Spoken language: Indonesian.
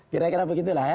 kira kira begitu lah ya